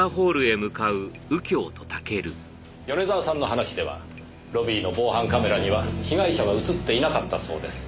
米沢さんの話ではロビーの防犯カメラには被害者は映っていなかったそうです。